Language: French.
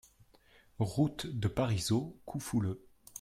Route de Parisot, Coufouleux